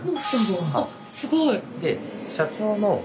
あすごい！